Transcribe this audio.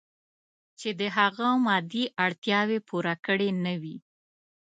چې د هغه مادي اړتیاوې پوره کړې نه وي.